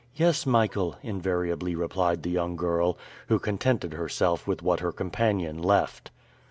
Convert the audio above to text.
"Yes, Michael," invariably replied the young girl, who contented herself with what her companion left.